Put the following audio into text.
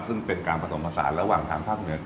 ซึ่งเป็นการผสมผสานระหว่างทางภาคเหนือ